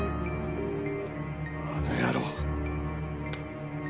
あの野郎！